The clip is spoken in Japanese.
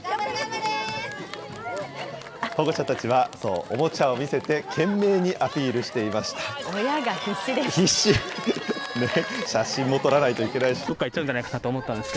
保護者たちは、おもちゃを見せて、懸命にアピールしていまし親が必死です。